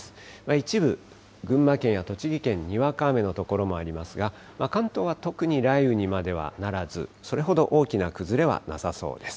一部、群馬県や栃木県、にわか雨の所もありますが、関東は特に雷雨にまではならず、それほど大きな崩れはなさそうです。